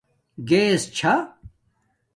گیس چھا